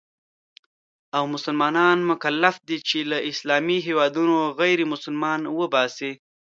او مسلمانان مکلف دي چې له اسلامي هېوادونو غیرمسلمانان وباسي.